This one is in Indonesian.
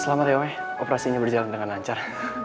selamat ya weh operasinya berjalan dengan lancar